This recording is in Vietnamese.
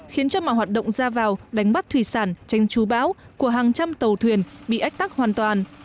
khiến cho mọi hoạt động ra vào đánh bắt thủy sản tranh chú bão của hàng trăm tàu thuyền bị ách tắc hoàn toàn